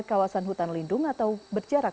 kawasan hutan lindung atau berjarak